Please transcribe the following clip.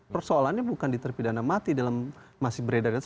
persoalannya bukan di terpidana mati dalam masih beredar